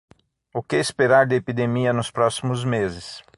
O que esperar da epidemia nos próximos meses